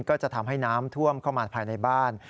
ก็จะทำให้น้ำท่วมเข้ามาภายในบ้าน